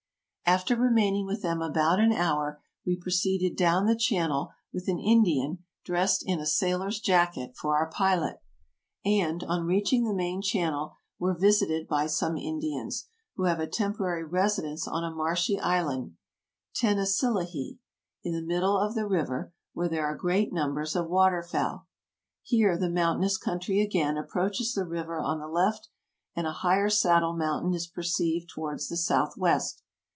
"After remaining with them about an hour, we pro ceeded down the channel with an Indian dressed in a sailor's AMERICA 153 Jacket for our pilot; and, on reaching the main channel, were visited by some Indians, who have a temporary resi dence on a marshy island, Tenasillihee, in the middle of the river, where there are great numbers of water fowl. Here the mountainous country again approaches the river on the left and a higher saddle mountain is perceived towards the south west.